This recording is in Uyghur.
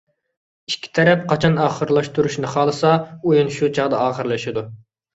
ئىككى تەرەپ قاچان ئاخىرلاشتۇرۇشنى خالىسا، ئويۇن شۇ چاغدا ئاخىرلىشىدۇ.